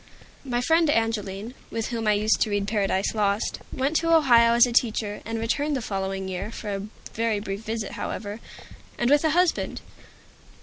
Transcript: My friend Angeline, with whom I used to read "Paradise Lost," went to Ohio as a teacher, and returned the following year, for a very brief visit, however, and with a husband.